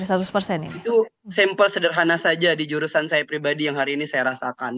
itu sampel sederhana saja di jurusan saya pribadi yang hari ini saya rasakan